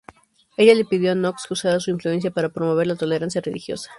Ella le pidió a Knox que usara su influencia para promover la tolerancia religiosa.